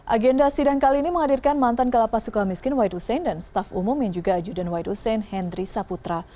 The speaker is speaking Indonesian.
agenda sidang kali ini menghadirkan mantan ke lapas sukamiskin wai tusein dan staf umum yang juga ajudan wai tusein hendry saputra